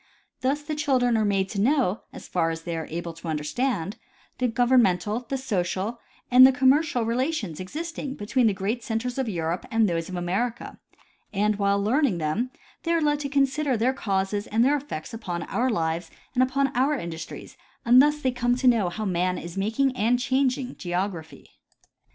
Thus the children are made to know as far as they are able to understand, the governmental, the social, and the com mercial relations existing between the great centers of Europe and of those of America, and while learning them they are led to consider their causes and their effects upon our lives and upon our industries, and thifs they come to know how man is making and changing geograjDhy.